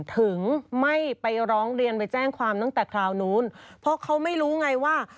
ถึงไม่ไปร้องเรียนไปแจ้งความตั้งแต่คราวนู้นเพราะเขาไม่รู้ไงว่า